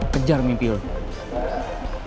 kejar mimpi lo